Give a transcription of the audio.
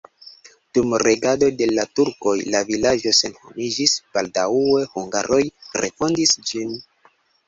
Dum regado de la turkoj la vilaĝo senhomiĝis, baldaŭe hungaroj refondis ĝin.